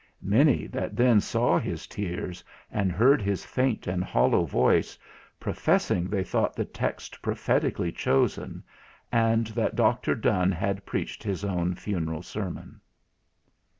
Many that then saw his tears, and heard his faint and hollow voice, professing they thought the text prophetically chosen, and that Dr. Donne had preached his own Funeral Sermon.